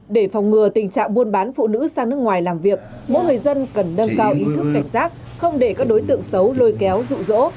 để phòng ngừa tình trạng buôn bán phụ nữ sang nước ngoài làm việc mỗi người dân cần nâng cao ý thức cảnh giác không để các đối tượng xấu lôi kéo rụ rỗ